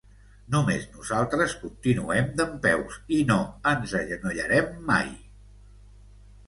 Només nosaltres continuem dempeus i no ens agenollarem mai.